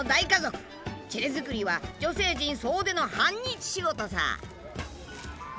チェレ作りは女性陣総出の半日仕事さ。